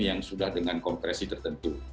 yang sudah dengan kompresi tertentu